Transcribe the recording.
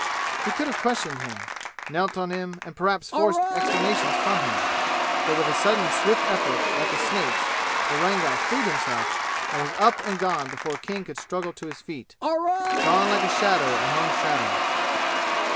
He could have questioned him knelt on him and perhaps forced explanations from him. But with a sudden swift effort like a snake's the Rangar freed himself and was up and gone before King could struggle to his feet gone like a shadow among shadows.